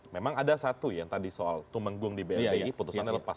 memang ada satu yang tadi soal tumenggung di blbi putusannya lepas